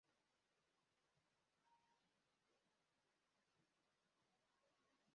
Umugore wambaye ikoti ryijimye afite ikamba rinini kumutwe avuga kuri terefone ngendanwa